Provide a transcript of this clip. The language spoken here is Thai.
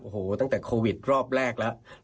โอ้โหตั้งแต่โควิดรอบแรกแล้ว